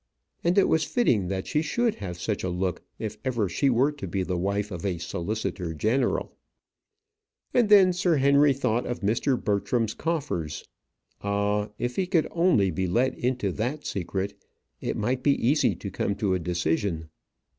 And it was fitting she should have such a look if ever she were to be the wife of a solicitor general. And then Sir Henry thought of Mr. Bertram's coffers. Ah! if he could only be let into that secret, it might be easy to come to a decision.